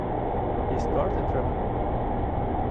He scored a treble.